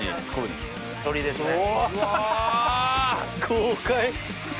豪快。